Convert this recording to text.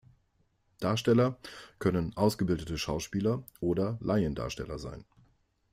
Darsteller können ausgebildete Schauspieler oder Laiendarsteller sein.